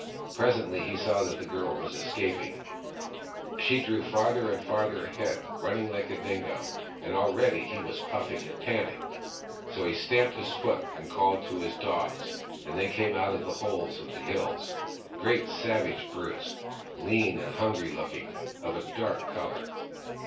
Presently, he saw that the girl was escaping ; she drew farther and farther ahead, running like a dingo, and already he was puffing and panting. So he stamped his foot and called to his dogs, and they came out of the holes of the hills — great savage brutes, lean and hungry looking, of a dark colour.